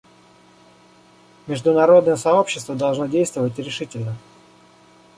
Международное сообщество должно действовать решительно.